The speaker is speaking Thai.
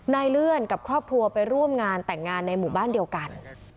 เลื่อนกับครอบครัวไปร่วมงานแต่งงานในหมู่บ้านเดียวกัน